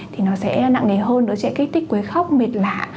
thì nó sẽ nặng nề hơn đối với trẻ kích tích quấy khóc mệt lạ